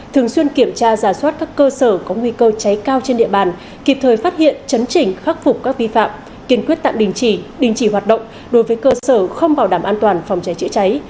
thường xuyên kiểm tra giả soát các cơ sở có nguy cơ cháy cao trên địa bàn kịp thời phát hiện chấn chỉnh khắc phục các vi phạm kiên quyết tạm đình chỉ đình chỉ hoạt động đối với cơ sở không bảo đảm an toàn phòng cháy chữa cháy